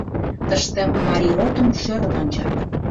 Тыште Марий ротым шӧрын ончат.